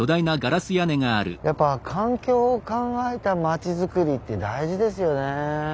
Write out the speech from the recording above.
やっぱ環境を考えた町づくりって大事ですよね。